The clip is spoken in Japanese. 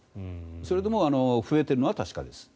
それでも増えているのは確かです。